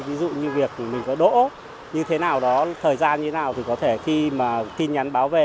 ví dụ như việc thì mình có đỗ như thế nào đó thời gian như thế nào thì có thể khi mà tin nhắn báo về